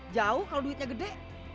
jauh kalau duitnya gede